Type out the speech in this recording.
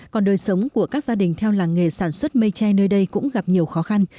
còn đời sống của các gia đình theo làng nghề sản xuất mây tre nơi đây cũng gặp nhiều khó khăn